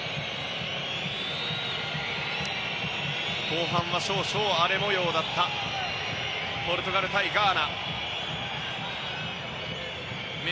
後半は少々荒れ模様だったポルトガル対ガーナ。